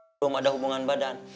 belum ada hubungan badan